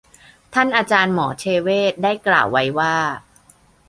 ท่านอาจารย์หมอเทเวศได้กล่าวไว้ว่า